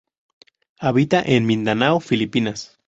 Habita en Mindanao Filipinas.